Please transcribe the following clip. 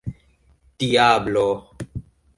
diablo